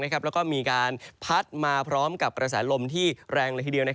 แล้วก็มีการพัดมาพร้อมกับกระแสลมที่แรงเลยทีเดียว